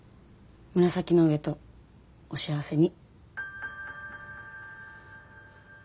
紫の上とお幸せに。